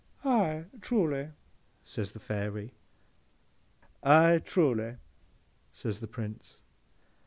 '—'Aye, truly?' says the Fairy.—'Aye, truly,' says the Prince.